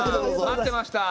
待ってました。